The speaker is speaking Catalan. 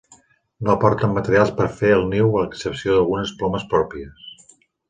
No aporten materials per fer el niu a excepció d'algunes plomes pròpies.